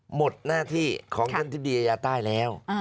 หมดหน้าที่ของท่านธิบดีอายาใต้แล้ว